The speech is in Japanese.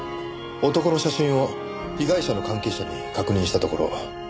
男の写真を被害者の関係者に確認したところ。